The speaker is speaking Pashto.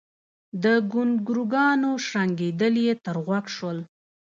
د ګونګرونګانو شړنګېدل يې تر غوږ شول